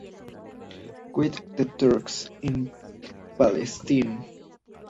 With The Turks in Palestine.